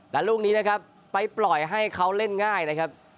และลูกนี้นะครับไปปล่อยให้เขาเล่นง่ายนะครับ